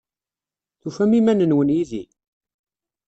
Tufam iman-nwen yid-i?